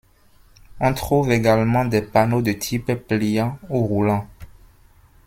On trouve également des panneaux de type pliant ou roulant.